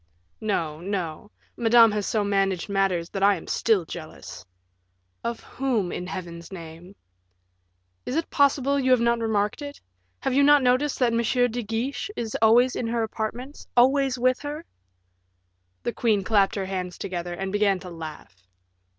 "No, no. Madame has so managed matters, that I am still jealous." "Of whom, in Heaven's name?" "Is it possible you have not remarked it? Have you not noticed that M. de Guiche is always in her apartments always with her?" The queen clapped her hands together, and began to laugh.